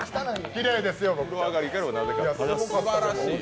きれいですよ、僕は。